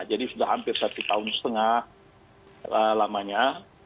jadi sudah hampir satu tahun setengah lamanya